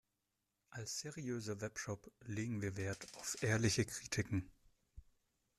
Als seriöser Webshop legen wir Wert auf ehrliche Kritiken.